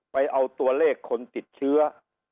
ไปเอาตัวเลขคนติดเชื้อ